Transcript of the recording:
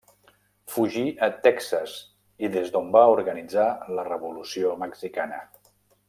Fugí a Texas i des d'on va organitzar la Revolució Mexicana.